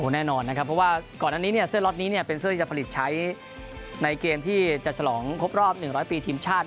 แน่นอนนะครับเพราะว่าก่อนอันนี้เสื้อล็อตนี้เป็นเสื้อที่จะผลิตใช้ในเกมที่จะฉลองครบรอบ๑๐๐ปีทีมชาติ